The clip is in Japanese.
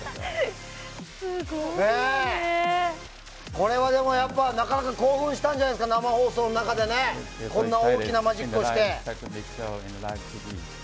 これはなかなか興奮したんじゃないですか生放送の中でこんな大きなマジックをして。